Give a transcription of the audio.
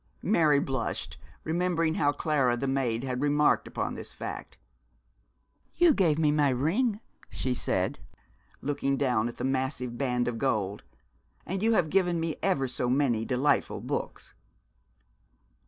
Mary blushed, remembering how Clara, the maid, had remarked upon this fact. 'You gave me my ring,' she said, looking down at the massive band of gold, 'and you have given me ever so many delightful books.'